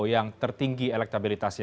yang tertinggi elektabilitasnya